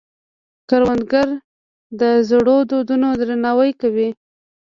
کروندګر د زړو دودونو درناوی کوي